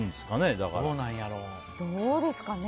どうですかね。